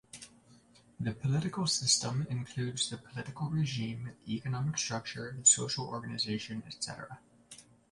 The political system includes the political regime, the economic structure, the social organization, etc.